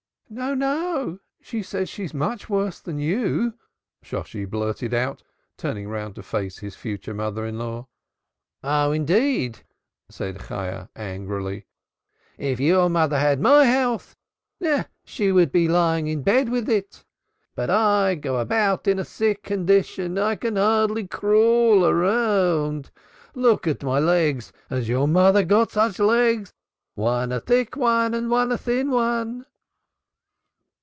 "Oh, no, she says she's much worse than you," Shosshi blurted out, turning round to face his future mother in law. "Oh, indeed!" said Chayah angrily. "My enemies shall have my maladies! If your mother had my health, she would be lying in bed with it. But I go about in a sick condition. I can hardly crawl around. Look at my legs has your mother got such legs? One a thick one and one a thin one."